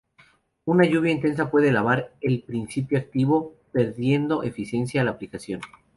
Una lluvia intensa puede lavar el principio activo, perdiendo eficiencia la aplicación.